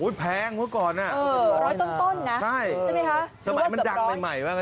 คุณผู้ชอนี่บอลีงแรงพกอลนะร้อยต้นนะ